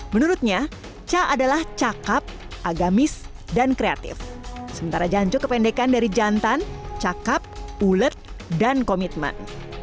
menurutnya cak adalah cakap agamis dan kreatif sementara janco kependekan dari jantan cakap ulet dan komitmen